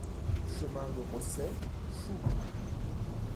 Chemin de Rosset, Choux